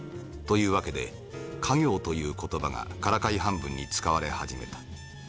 という訳で稼業という言葉がからかい半分に使われ始めた。